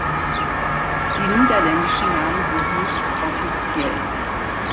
Die niederländischen Namen sind nicht offiziell.